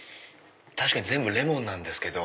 確かに全部レモンなんですけど。